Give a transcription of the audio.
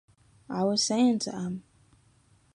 I was saying to 'em.